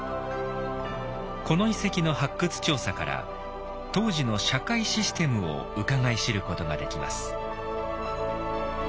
この遺跡の発掘調査から当時の社会システムをうかがい知ることができます。